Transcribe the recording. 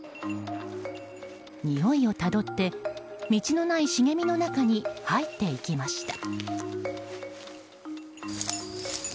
においをたどって道のない茂みの中に入っていきました。